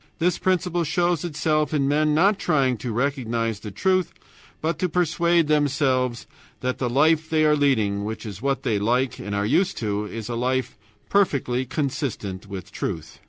This principle shows itself in men not trying to recognize the truth, but to persuade themselves that the life they are leading, which is what they like and are used to, is a life perfectly consistent with truth.